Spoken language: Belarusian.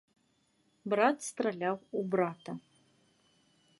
Брат страляў у брата.